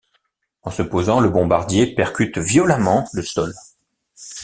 En se posant, le bombardier percute violemment le sol.